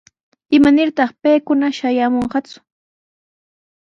¿Imanirtaq paykuna shamuyanqaku?